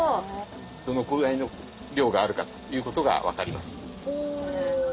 どのくらいの量があるかっていうことが分かります。